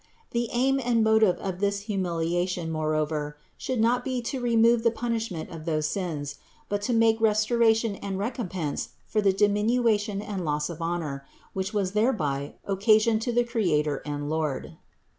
The aim and motive of this humiliation more over, should not be to remove the punishments of those sins, but to make restoration and recompense for the diminution and loss of honor, which was thereby occa sioned to the Creator and Lord.